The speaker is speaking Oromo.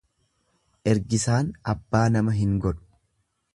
Ergisaan abbaa nama hin godhu.